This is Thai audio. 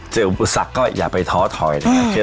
เจอบุษักก็อย่าไปท้อถอยนะครับอืม